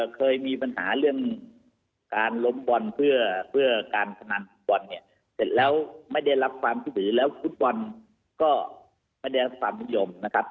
เคยมีปัญหาเรื่องการล้มบอลเพื่อการพนันฟุตบอลเนี่ยเสร็จแล้วไม่ได้รับความช่วยเหลือแล้วฟุตบอลก็ไม่ได้รับความนิยมนะครับ